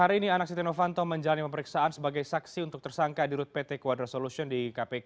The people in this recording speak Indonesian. hari ini anak siti novanto menjalani pemeriksaan sebagai saksi untuk tersangka di rut pt quadra solution di kpk